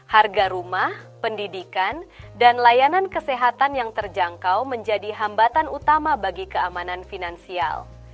harga rumah pendidikan dan layanan kesehatan yang terjangkau menjadi hambatan utama bagi keamanan finansial